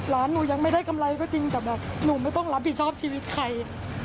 ร้านหนูยังไม่ได้กำไรก็จริงแต่แบบหนูไม่ต้องรับผิดชอบชีวิตใคร